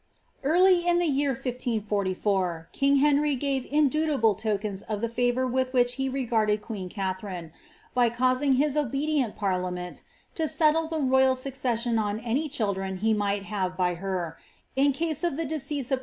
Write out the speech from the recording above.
Fjirly in the year 15 14, king Henry gave indubitable tokens of the favour with which he regarded queen Katharine, by causing his obe dient [Mirliament to settle the royal succession on any children he might have by her, in case of the decease of prince Edward without issue.